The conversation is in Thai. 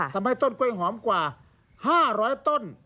ทำให้ต้นกล้วยหอมกว่า๕๐๐ต้น